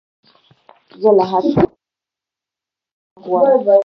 زه له هر چا ښېګڼه غواړم.